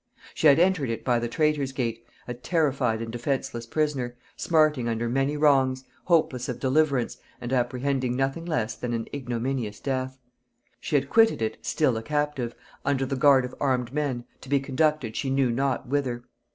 She had entered it by the Traitor's gate, a terrified and defenceless prisoner, smarting under many wrongs, hopeless of deliverance, and apprehending nothing less than an ignominious death. She had quitted it, still a captive, under the guard of armed men, to be conducted she knew not whither.